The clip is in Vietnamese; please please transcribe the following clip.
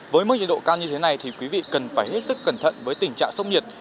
với mức nhiệt độ cao như thế này thì quý vị cần phải hết sức cẩn thận với tình trạng sốc nhiệt